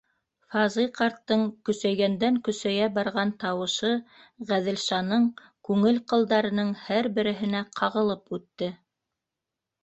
Фазый ҡарттың көсәйгәндән-көсәйә барған тауышы Ғәҙелшаның күңел ҡылдарының һәр береһенә ҡағылып үтте.